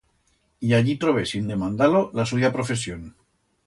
Y allí trobé, sin demandar-lo, la suya profesión.